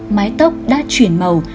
mái tóc đã chuyển màu